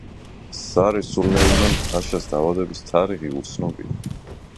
სარი სულეიმან-ფაშას დაბადების თარიღი უცნობია.